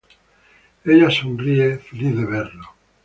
Ella sonríe, feliz de verlo.